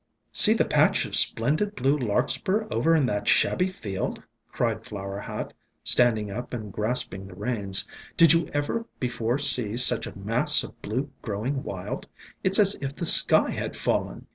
" See the patch of splendid blue Larkspur over in that shabby field," cried Flower Hat, standing up and grasping the reins. "Did you ever before see such a mass of blue growing wild? It 's as if the sky had fallen."